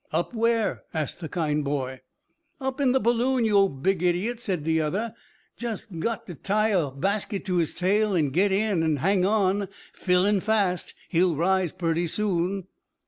"Up where?" asked the kind boy. "Up in the balloon, yo' big idiot!" said the other. "Jest got ter tie a basket to his tail, and git in, and hang on. Fillin' fast, he'll rise purty soon."